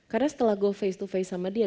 karena setelah gue face to face sama dia